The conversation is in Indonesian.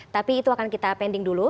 tapi itu akan kita pending dulu